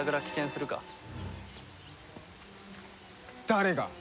誰が。